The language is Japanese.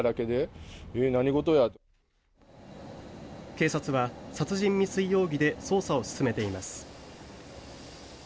警察は殺人未遂容疑で捜査を進めています。